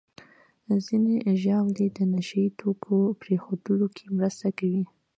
ځینې ژاولې د نشهیي توکو پرېښودو کې مرسته کوي.